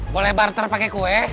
boleh barter pake kue